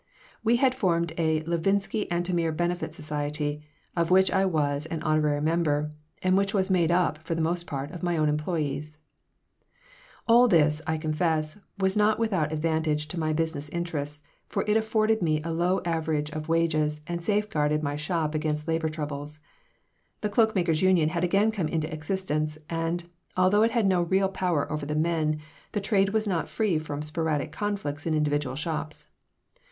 We had formed a Levinsky Antomir Benefit Society of which I was an honorary member and which was made up, for the most part, of my own employees All this, I confess, was not without advantage to my business interests, for it afforded me a low average of wages and safeguarded my shop against labor troubles. The Cloak makers' Union had again come into existence, and, although it had no real power over the men, the trade was not free from sporadic conflicts in individual shops.